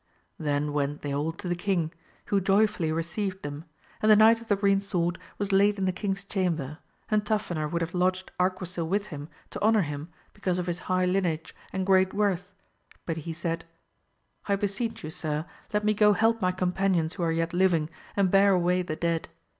Then went they all to the king, who joyfully received them, and the Knight of the Green Sword was laid in the king's chamber, and Tafinor would have lodged Arquisil with him to honour him because of his high lineage and great worth, but he said, I beseech you sir, let me go help my companions who are yet living, and bear away the dead.